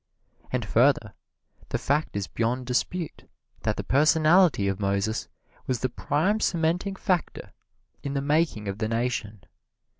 And further, the fact is beyond dispute that the personality of Moses was the prime cementing factor in the making of the nation.